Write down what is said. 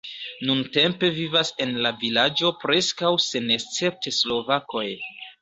Nuntempe vivas en la vilaĝo preskaŭ senescepte slovakoj.